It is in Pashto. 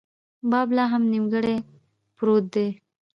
باب لا هم نیمګړۍ پروت دی.